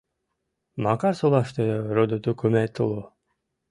Макарсолаште родо-тукымет уло.